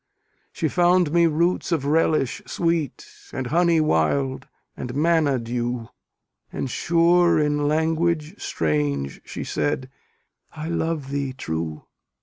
She found me roots of relish sweet, And honey wild, and manna dew; And sure in language strange she said, I love thee true.